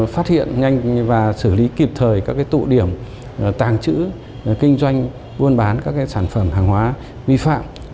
phát hiện nhanh và xử lý kịp thời các tụ điểm tàng trữ kinh doanh buôn bán các sản phẩm hàng hóa vi phạm